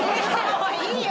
もういいよ。